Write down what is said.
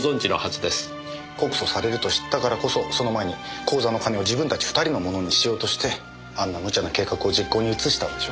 告訴されると知ったからこそその前に口座の金を自分たち２人のものにしようとしてあんな無茶な計画を実行に移したんでしょ。